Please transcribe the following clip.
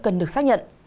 cần được xác nhận